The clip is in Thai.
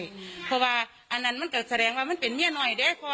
เพราะว่าอันนั้นมันก็แสดงว่ามันเป็นเมียหน่อยเด้พอ